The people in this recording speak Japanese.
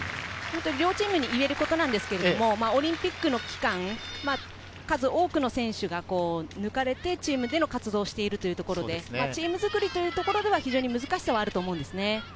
両チームに言えることですが、オリンピックの期間、数多くの選手が、抜かれてチームでの活動をしているので、チーム作りでは難しさがあると思うんです。